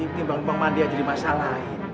nyumbang nyumbang mandi aja di masa lain